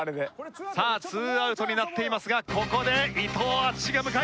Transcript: さあツーアウトになっていますがここで伊藤淳史が向かいます。